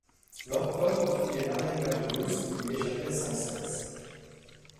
L'empereur poursuivait l'arrière-garde russe, qui lui échappait sans cesse.